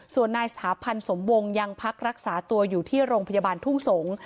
ส่วนนายสถาพันธ์สมวงยังพักรักษาตัวอยู่ที่โรงพยาบาลทุ่งสงศ์